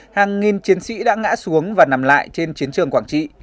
hàng nghìn chiến sĩ đã ngã xuống và nằm lại trên chiến trường quảng trị